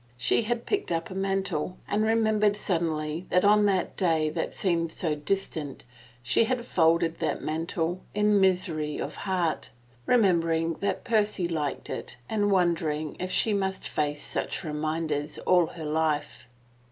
She had picked up a mantle, and remembered suddenly that on that day that seemed so 8i THE FAVOR OF KINGS distant she had folded that mantle, in misery of heart, remembering that Percy liked it and wondering if she must face such reminders all her life.